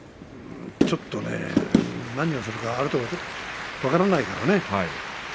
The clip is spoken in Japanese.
ちょっと何をするか分からないからね。